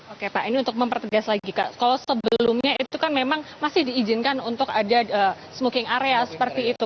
oke pak ini untuk mempertegas lagi kak kalau sebelumnya itu kan memang masih diizinkan untuk ada smooking area seperti itu